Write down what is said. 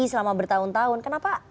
selama bertahun tahun kenapa